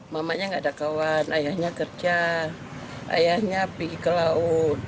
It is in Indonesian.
mamanya nggak ada kawan ayahnya kerja ayahnya pergi ke laut